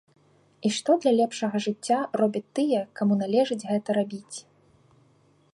І што для лепшага жыцця робяць тыя, каму належыць гэта рабіць?